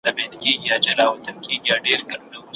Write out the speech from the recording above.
هغه په لوړ غږ چا ته ځواب ورکړ.